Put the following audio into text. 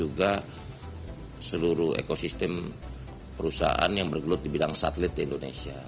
untuk menghasilkan perubahan yang berbeda di seluruh ekosistem perusahaan yang bergelut di bidang satelit di indonesia